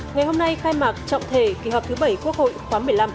ngày hôm nay khai mạc trọng thể kỳ họp thứ bảy quốc hội khóa một mươi năm